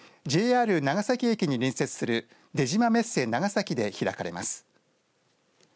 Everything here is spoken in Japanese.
長崎駅に隣接する出島メッセ長崎で開かれます。